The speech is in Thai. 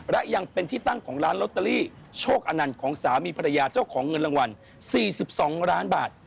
และยังเป็นที่ตั้งของร้านลอตเตอรี่โชคอนันต์ของสามีภรรยาเจ้าของเงินรางวัล๔๒ล้านบาท